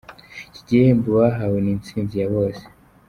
Iki gihembo bahawe ni intsinzi ya bose.